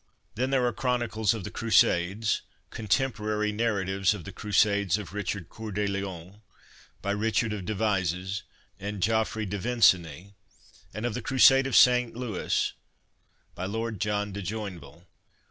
Then there are Chronicles of the Crusades, contemporary narratives of the crusades of Richard Cceur de Lion, by Richard of Devizes, and Geoffrey de Vinsany, and of the crusade of St Louis, by Lord John de Joinville.